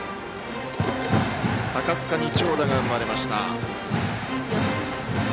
高塚に長打が生まれました。